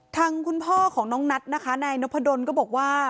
ทางคุณพ่อของน้องนัทนะคะนายนพดลก็บอกว่า